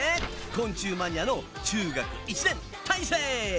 昆虫マニアの中学１年たいせい！